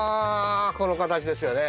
この形ですよね。